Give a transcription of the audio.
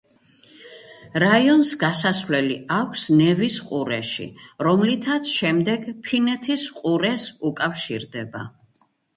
რაიონს გასასვლელი აქვს ნევის ყურეში, რომლითაც შემდეგ ფინეთის ყურეს უკავშირდება.